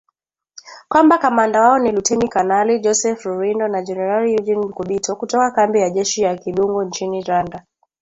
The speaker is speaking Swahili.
Kwamba kamanda wao ni Luteni kanali Joseph Rurindo na Jenerali Eugene Nkubito, kutoka kambi ya kijeshi ya Kibungo nchini Rwanda